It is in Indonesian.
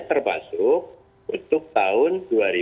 termasuk untuk tahun dua ribu sembilan belas